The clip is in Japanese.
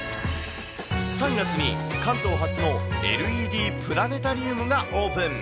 ３月に関東初のＬＥＤプラネタリウムがオープン。